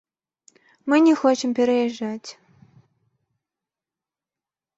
Мы не хочам пераязджаць.